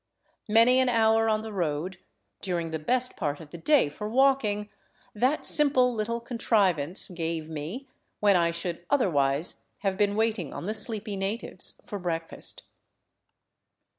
Many an hour on the road, during the best part of the day for walking, that simple little contrivance gave me, when I should otherwise have been waiting on the sleepy natives for breakfast.